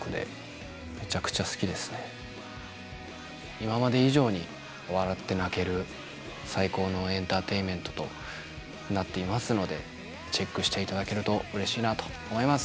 今まで以上に笑って泣ける最高のエンターテインメントとなっていますのでチェックしていただけるとうれしいなと思います。